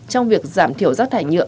trong việc giảm thiểu rác thải nhựa